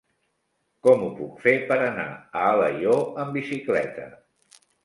Com ho puc fer per anar a Alaior amb bicicleta?